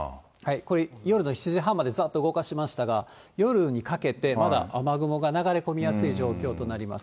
これ、夜の７時半までざっと動かしましたが、夜にかけて、まだ雨雲が流れ込みやすい状況となります。